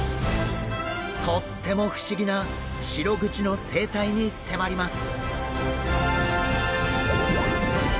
とっても不思議なシログチの生態に迫ります！